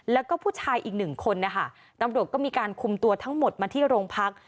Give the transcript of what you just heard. แล้วก็ผู้ชายอีกหนึ่งคนนะคะตำรวจก็มีการคุมตัวทั้งหมดมาที่โรงพัก